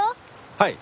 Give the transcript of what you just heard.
はい。